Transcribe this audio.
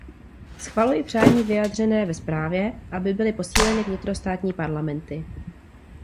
Schvaluji přání vyjádřené ve zprávě, aby byly posíleny vnitrostátní parlamenty.